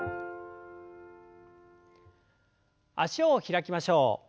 脚を開きましょう。